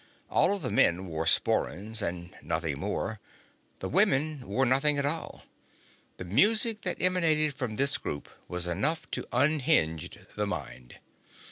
All of the men wore sporrans and nothing more; the women wore nothing at all. The music that emanated from this group was enough to unhinge the mind.